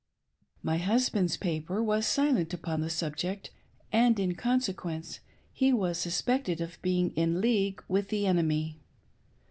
My hus band's paper was silent upon the subject ; and, in consequence, he was suspected of being in league with the enemy.